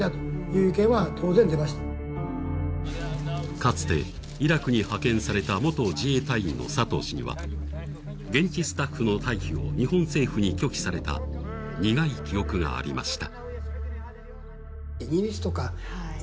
かつてイラクに派遣された元自営隊員の佐藤氏には現地スタッフの退避を日本政府に拒否された苦い記憶がありました。